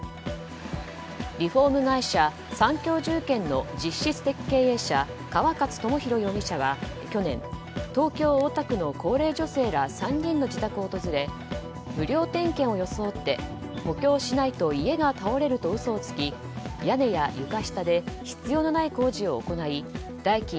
リフォーム会社三共住建の実質的経営者川勝智弘容疑者は去年東京・大田区の高齢女性ら３人の自宅を訪れ無料点検を装って補強しないと家が倒れると嘘をつき屋根や床下で必要のない工事を行い代金